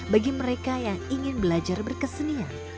bagi mereka yang ingin belajar berkesenian